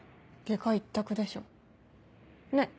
外科一択でしょねっ。